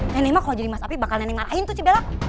nenek mah kalau jadi mas api bakal nenek ngarahin tuh si bella